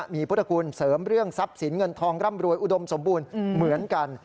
มีพุทธคุณเสริมเรื่องทรัพย์สินเงินทองร่ำรวยอุดมสมบูรณ์เหมือนกัน